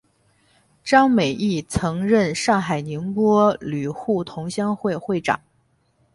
张美翊曾任上海宁波旅沪同乡会会长。